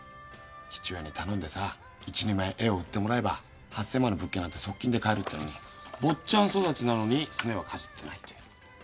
父親に頼んでさ１２枚絵を売ってもらえば８千万の物件なんて即金で買えるってのに坊ちゃん育ちなのにスネはかじってないという。